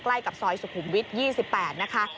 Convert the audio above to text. ใกล้กับซอยสุขุมวิทย์๒๘นะคะ